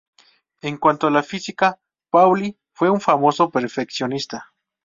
En cuanto a la física, Pauli fue un famoso perfeccionista.